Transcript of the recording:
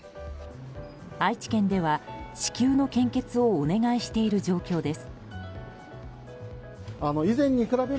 愛知県では、至急の献血をお願いしている状況です。